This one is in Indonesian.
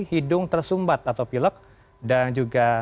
hidung tersumbat atau pilek dan juga sesak nafas